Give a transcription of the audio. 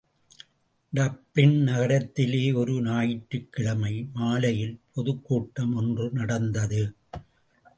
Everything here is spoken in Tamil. டப்ளின் நகரத்திலே ஒரு ஞாயிற்றுக்கிழமை மாலையில் பொதுக்கூட்டம் ஒன்று நடந்தது.